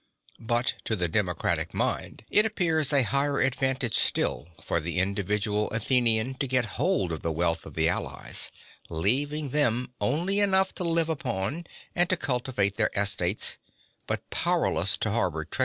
But to the democratic mind (39) it appears a higher advantage still for the individual Athenian to get hold of the wealth of the allies, leaving them only enough to live upon and to cultivate their estates, but powerless to harbour treacherous designs.